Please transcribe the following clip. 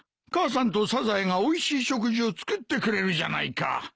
母さんとサザエがおいしい食事を作ってくれるじゃないか。